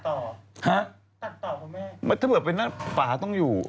ถ้าเผิดเมื่อนั่นปลาต้องอยู่